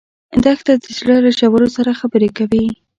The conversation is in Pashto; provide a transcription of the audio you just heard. دښته د زړه له ژورو سره خبرې کوي.